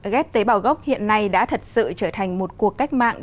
ghép tế bào gốc hiện nay đã thật sự trở thành một cuộc cách mạng